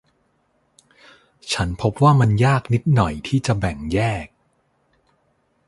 ฉันพบว่ามันยากนิดหน่อยที่จะแบ่งแยก